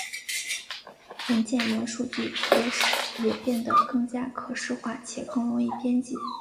文件元数据也变得更加可视化且更容易编辑。